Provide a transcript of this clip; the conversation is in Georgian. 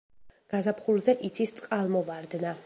გაზაფხულზე იცის წყალმოვარდნა.